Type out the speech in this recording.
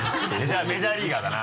メジャーリーガーだな。